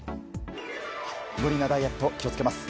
無理なダイエット気をつけます。